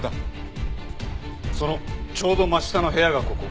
そのちょうど真下の部屋がここ。